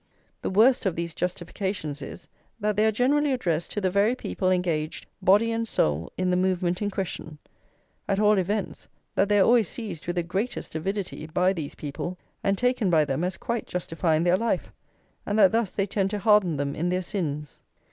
The worst of these justifications is, that they are generally addressed to the very people engaged, body and soul, in the movement in question; at all events, that they are always seized with the greatest avidity by these people, and taken by them as quite justifying their life; and that thus they tend to harden them in their sins.